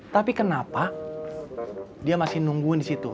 tapi kenapa dia masih nungguin di situ